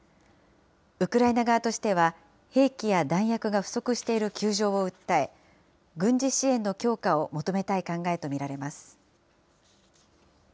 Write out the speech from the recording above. ウクライナ側としては、兵器や弾薬が不足している窮状を訴え、軍事支援の強化を求めたい考えと見られます。